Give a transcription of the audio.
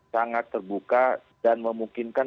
sangat terbuka dan memungkinkan